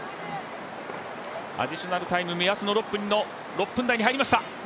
アディショナルタイム目安の６分台に入りました。